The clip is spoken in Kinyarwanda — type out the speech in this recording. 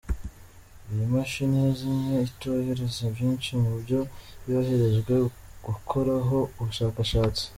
Iyi mashini yazimye itarohereza byinshi mu byo yoherejwe gukoraho ubushakashatsi.